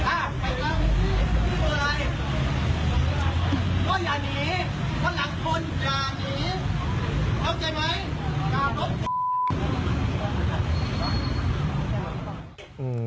เข้าใจไหม